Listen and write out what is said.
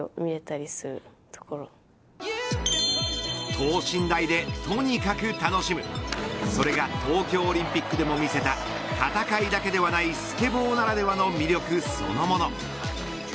等身大でとにかく楽しむそれが東京オリンピックでも見せた戦いだけではないスケボーならではの魅力そのもの。